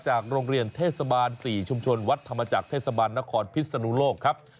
โรงเรียนเทศบาล๔ชุมชนวัดธรรมจักรเทศบาลนครพิศนุโลกครับ